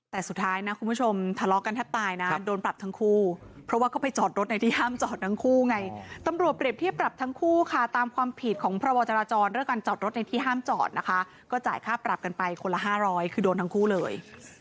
แต่สุดท้ายนะคุณผู้ชมทะเลาะกันแทบตายนะโดนปรับทั้งคู่เพราะว่าเขาไปจอดรถในที่ห้ามจอดทั้งคู่ไงตำรวจเปรียบเทียบปรับทั้งคู่ค่ะตามความผิดของพระวจราจรเรื่องการจอดรถในที่ห้ามจอดนะคะก็จ่ายค่าปรับกันไปคนละ๕๐๐คือโดนทั้งคู่เลย